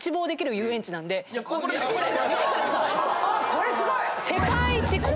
これすごい！